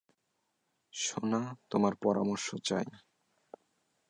সোনা, তোমার পরামর্শ চাই?